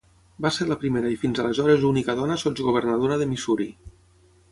Va ser la primera i fins aleshores única dona sotsgovernadora de Missouri.